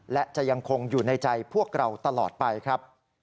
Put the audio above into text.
และจะยังคงอยู่ในใจพวกเราตลอดไปครับ